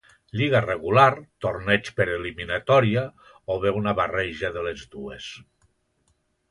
Lliga regular, torneig per eliminatòria, o bé una barreja de les dues.